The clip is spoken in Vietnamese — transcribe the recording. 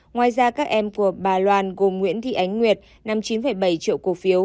ngoài ra các em của bà loan gồm nguyễn thị ánh nguyệt nằm chín bảy triệu cổ phiếu